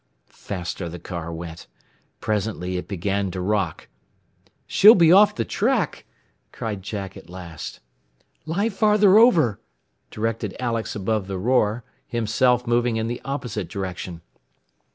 Faster the car went. Presently it began to rock. "She'll be off the track!" cried Jack at last. "Lie farther over!" directed Alex above the roar, himself moving in the opposite direction.